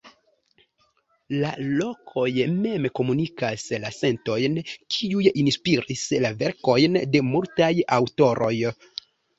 La lokoj mem komunikas la sentojn kiuj inspiris la verkojn de multaj aŭtoroj.